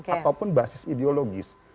ataupun basis ideologis